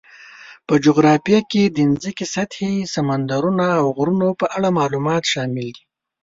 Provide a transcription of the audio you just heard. په جغرافیه کې د ځمکې سطحې، سمندرونو، او غرونو په اړه معلومات شامل دي.